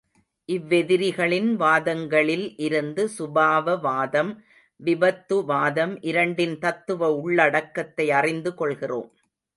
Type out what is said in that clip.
இவ்வெதிரிகளின் வாதங்களில் இருந்து சுபாவவாதம், விபத்துவாதம் இரண்டின் தத்துவ உள்ளடக்கத்தை அறிந்து கொள்கிறோம்.